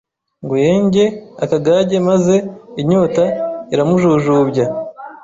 ngo yenge akagage maze inyota iramujujubya